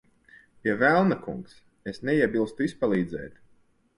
Pie velna, kungs. Es neiebilstu izpalīdzēt.